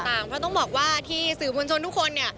เพราะต้องบอกว่าที่สื่อมวลชนทุกคนเนี่ย